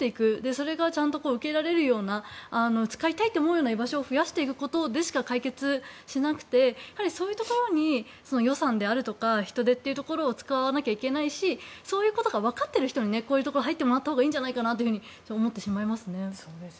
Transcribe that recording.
それがちゃんと受け入れられるような使いたいと思う居場所を増やすことでしか解決しなくてそういうところに予算であるとか人手っていうところを使わないといけないしそういうところがわかっている人にこういうところに入ってもらったほうがいいのではと思いますね。